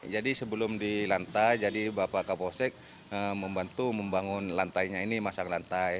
jadi sebelum di lantai jadi bapak kapolsek membantu membangun lantainya ini masang lantai